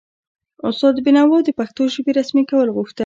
استاد بینوا د پښتو ژبې رسمي کول غوښتل.